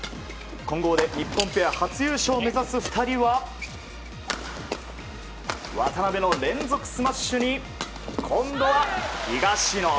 混合で日本ペア初優勝を目指す２人は渡辺の連続スマッシュに今度は東野。